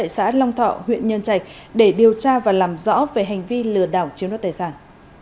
xã long thọ huyện nhân trạch để điều tra và làm rõ về hành vi lừa đảo chiếm đoạt tài sản